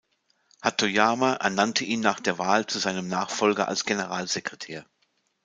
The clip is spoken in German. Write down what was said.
Hatoyama ernannte ihn nach der Wahl zu seinem Nachfolger als Generalsekretär.